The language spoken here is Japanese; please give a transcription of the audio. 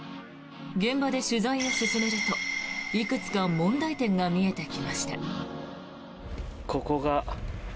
現場で取材を進めるといくつか問題点が見えてきました。